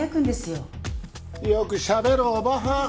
よくしゃべるおばはん。